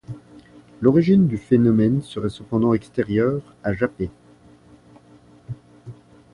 L'origine du phénomène serait cependant extérieure à Japet.